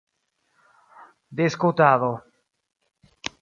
diskutado